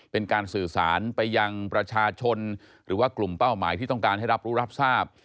เป็นการสื่อสารไปยังประชาชนหรือว่ากลุ่มเป้าหมายที่ต้องการให้รับรู้รับทราบ